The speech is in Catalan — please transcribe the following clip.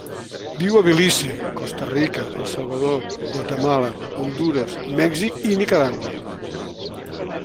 Viu a Belize, Costa Rica, El Salvador, Guatemala, Hondures, Mèxic i Nicaragua.